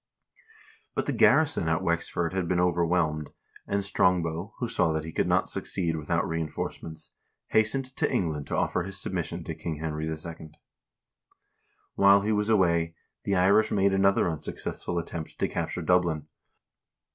But the garrison at Wexford had been overwhelmed, and Strongbow, who saw that he could not succeed without reinforcements, hastened to England to offer his submission to King Henry II. While he was away, the Irish made another unsuccessful attempt to capture Dublin.